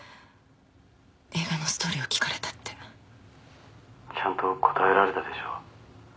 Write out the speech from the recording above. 映画のストーリーを聞かれたってちゃんと答えられたでしょ